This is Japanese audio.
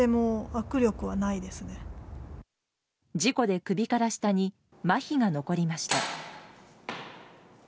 事故で首から下にまひが残りました。